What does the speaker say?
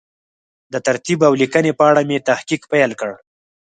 د ترتیب او لیکنې په اړه مې تحقیق پیل کړ.